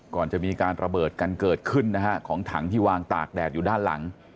ก่อนจะมีการระเบิดกันเกิดขึ้นนะฮะของถังที่วางตากแดดอยู่ด้านหลัง